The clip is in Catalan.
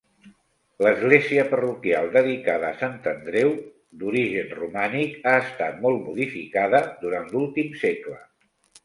L'església parroquial, dedicada a Sant Andreu, d'origen romànic, ha estat molt modificada durant l'últim segle.